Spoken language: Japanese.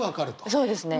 そうですね。